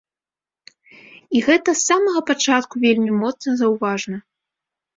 І гэта з самага пачатку вельмі моцна заўважна.